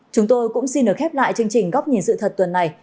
chúng tôi cũng xin được khép lại chương trình góc nhìn sự thật tuần này